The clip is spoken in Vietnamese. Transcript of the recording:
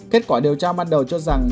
kết quả điều tra ban đầu cho rằng